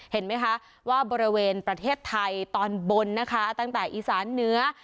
เห็นไหมคะว่าบริเวณประเทศไทยตอนบนนะคะตั้งแต่อีสานเหนือ